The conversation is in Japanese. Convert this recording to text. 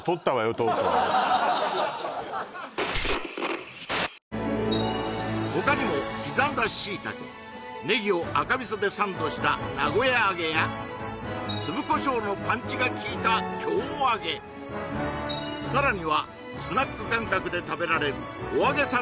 とうとう他にも刻んだ椎茸ネギを赤味噌でサンドした名古屋あげや粒こしょうのパンチが効いた京あげさらにはスナック感覚で食べられるお揚げさん